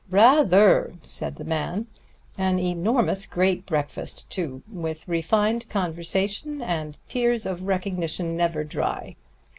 "Rather!" said the man. "An enormous great breakfast, too with refined conversation and tears of recognition never dry.